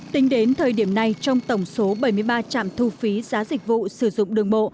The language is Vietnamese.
tính đến thời điểm này trong tổng số bảy mươi ba trạm thu phí giá dịch vụ sử dụng đường bộ